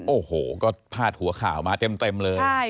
โอ้โหก็พาดหัวข่าวมาเต็มเลย